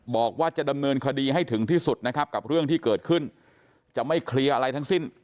บอกว่าจะดำเนินคดีให้ถึงที่สุดนะครับกับเรื่องที่เกิดขึ้นจะไม่เคลียร์อะไรทั้งสิ้น